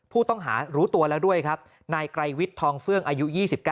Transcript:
ผู้ต้องหารู้ตัวแล้วด้วยครับนายไกรวิทย์ทองเฟื่องอายุ๒๙